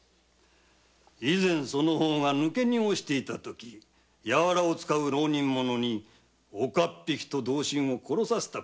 前にその方が抜け荷をしていた時柔術を使う浪人に岡っ引きと同心を殺させた。